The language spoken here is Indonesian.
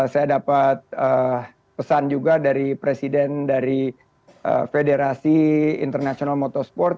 saya dapat pesan juga dari presiden dari federasi international motorsport